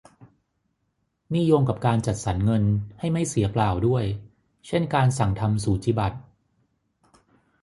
นี่โยงกับการจัดสรรเงินให้ไม่เสียเปล่าด้วย เช่นการสั่งทำสูจิบัตร